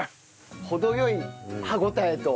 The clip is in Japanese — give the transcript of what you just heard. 程良い歯応えと。